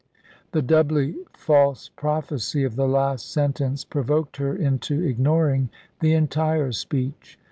The doubly false prophecy of the last sentence provoked her into ignoring the entire speech.